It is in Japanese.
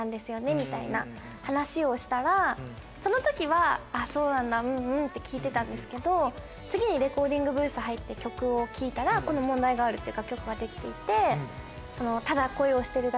みたいな話をしたらその時は「あっそうなんだうんうん」って聞いてたんですけど次にレコーディングブース入って曲を聴いたらこの。とかそこでこう。